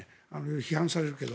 批判されるけど。